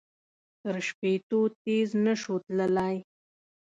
تر شپېتو تېز نه شول تللای.